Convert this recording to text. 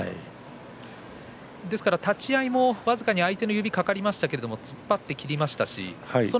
ですから立ち合いも僅かに相手の指が掛かりましたが突っ張って切りましたし。